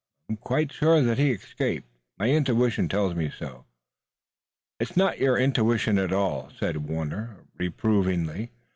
I'm quite sure that he escaped. My intuition tells me so." "It's not your intuition at all," said Warner reprovingly.